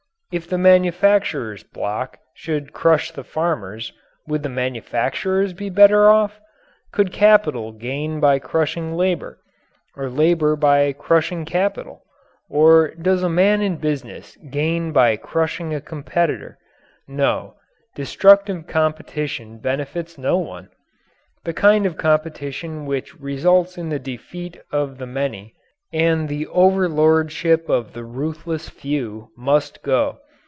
If the manufacturer's bloc should crush the farmers, would the manufacturers be better off? Could Capital gain by crushing Labour? Or Labour by crushing Capital? Or does a man in business gain by crushing a competitor? No, destructive competition benefits no one. The kind of competition which results in the defeat of the many and the overlordship of the ruthless few must go.